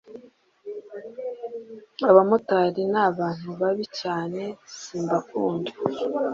abamotari nabantu babi cyane simbakunda